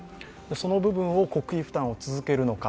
その部分を、国費負担を続けるのか。